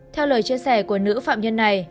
theo lời chia sẻ của nữ phạm nhân này